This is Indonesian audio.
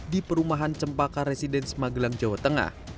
di perumahan cempaka residen semagelang jawa tengah